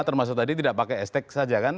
termasuk tadi tidak pakai es tek saja kan